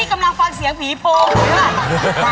พี่กำลังฟังเสียงผีโปร่งหรือเปล่า